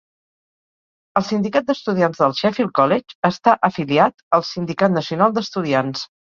El Sindicat d'estudiants del Sheffield College està afiliat al Sindicat nacional d'estudiants.